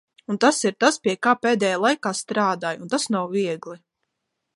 Un tas ir tas pie kā pēdējā laikā strādāju un tas nav viegli.